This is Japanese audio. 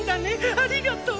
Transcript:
ありがとうっ！